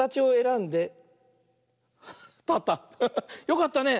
よかったね。